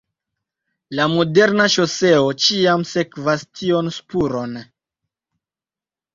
La moderna ŝoseo ĉiam sekvas tion spuron.